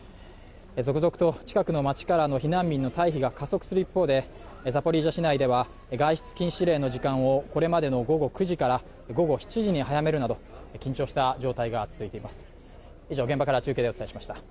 続々と近くの街からの避難民の退避が加速する一方でザポリージャ市内では外出禁止令の時間をこれまでの午後９時から午後７時に早めるなど、緊張した状態が続いています。